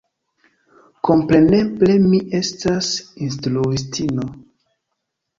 Kompreneble mi estas instruistino.